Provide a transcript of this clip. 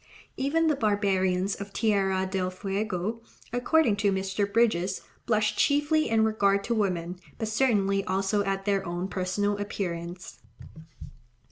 Even the barbarians of Tierra del Fuego, according to Mr. Bridges, blush "chiefly in regard to women, but certainly also at their own personal appearance."